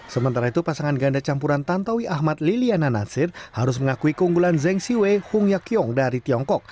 sementara itu pasangan ganda campuran tantowi ahmad liliana natsir harus mengakui keunggulan zheng siwei hung yak yong dari tiongkok